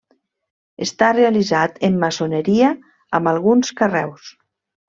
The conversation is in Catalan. Està realitzat en maçoneria amb alguns carreus.